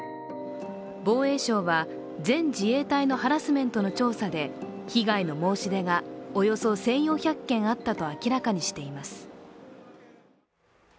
防衛省は、全自衛隊のハラスメントの調査で被害の申し出がおよそ１４００件あったと明らかにしています。